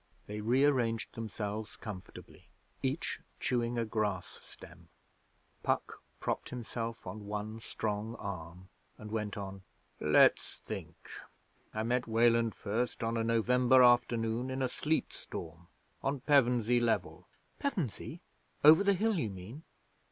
They rearranged themselves comfortably, each chewing a grass stem. Puck propped himself on one strong arm and went on: 'Let's think! I met Weland first on a November afternoon in a sleet storm, on Pevensey Level ' 'Pevensey? Over the hill, you mean?'